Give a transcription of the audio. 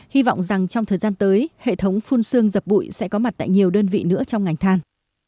hy vọng rằng trong thời gian tới hệ thống phun xương dập bụi sẽ có mặt tại nhiều đơn vị nữa trong ngành than